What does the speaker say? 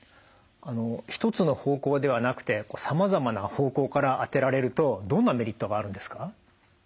一つの方向ではなくてさまざまな方向から当てられるとどんなメリットがあるんですか？